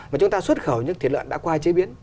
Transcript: mà chúng ta xuất khẩu những thịt lợn đã qua chế biến